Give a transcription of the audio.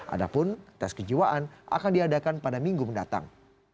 adapun tes kejiwaan akan diadakan pada minggu mendatang